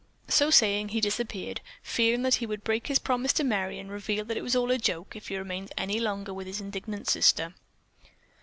So saying, he disappeared, fearing that he would break his promise to Merry and reveal that it was all a joke if he remained any longer with his indignant sister.